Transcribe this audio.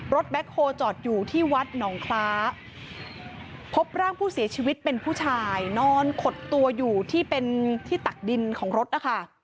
แบ็คโฮลจอดอยู่ที่วัดหนองคล้าพบร่างผู้เสียชีวิตเป็นผู้ชายนอนขดตัวอยู่ที่เป็นที่ตักดินของรถนะคะ